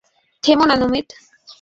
থেমো না, নমিত।